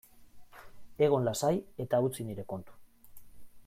Egon lasai eta utzi nire kontu.